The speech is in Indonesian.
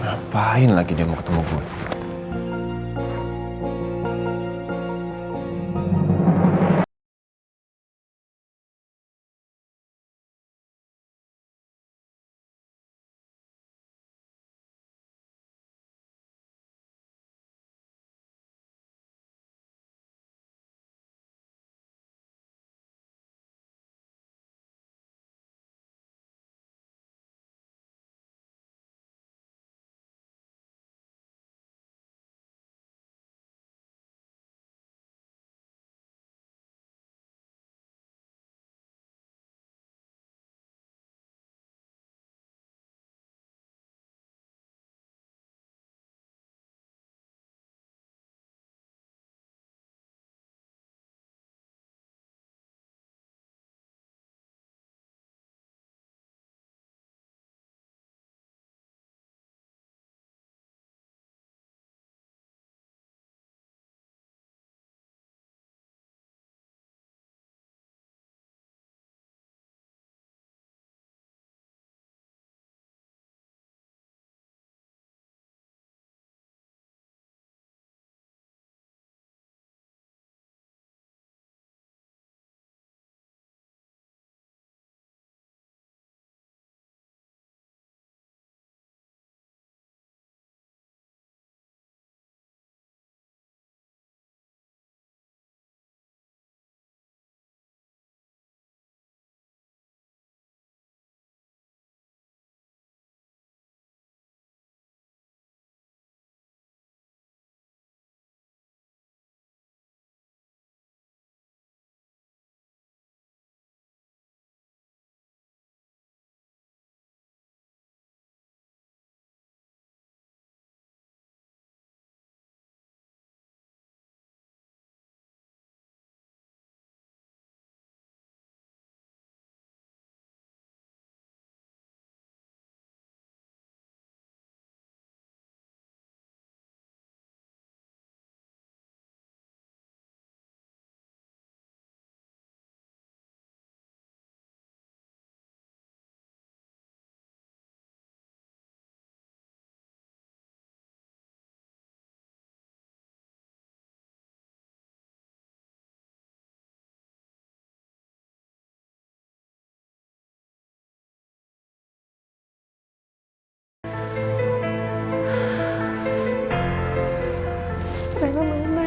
ngapain lagi dia mau ketemu gue